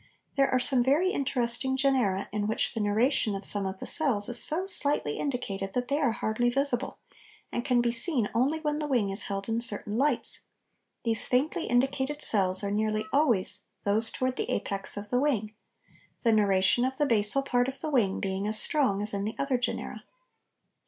There are some very interesting genera in which the neuration of some of the cells is so slightly indicated that they are hardly visible, and can be seen only when the wing is held in certain lights; these faintly indicated cells are nearly always those towards the apex of the wing, the neuration of the basal part of the wing being as strong as in the other genera.